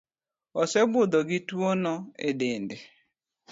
Osebudho gi tuo no e dende